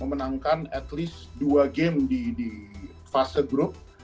memenangkan at least dua game di fase grup